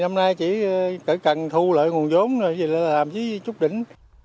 năm nay chỉ cần thu lợi nguồn giống là làm chút đỉnh